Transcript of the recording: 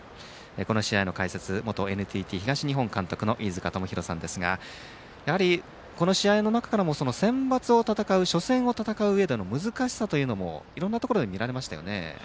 この試合の解説は元ＮＴＴ東日本監督の飯塚智広さんですがやはり試合の中からもセンバツを戦う初戦を戦ううえでの難しさというのもいろいろなところで見られましたね。